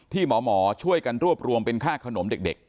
หมอช่วยกันรวบรวมเป็นค่าขนมเด็ก